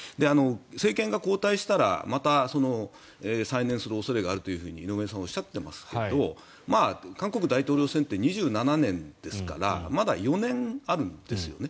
政権が交代したらまた再燃する恐れがあると井上さんがおっしゃっていますが韓国大統領選って２７年ですからまだ４年あるんですよね。